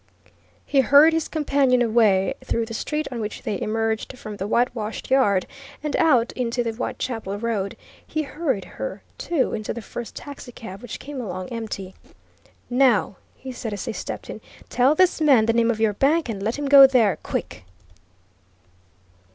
He hurried his companion away, through the street on which they emerged from the whitewashed yard, and out into the Whitechapel Road; he hurried her, too, into the first taxicab which came along empty. "Now," he said, as they stepped in, "tell this man the name of your bank, and let him go there, quick!"